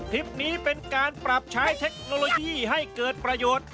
คลิปนี้เป็นการปรับใช้เทคโนโลยีให้เกิดประโยชน์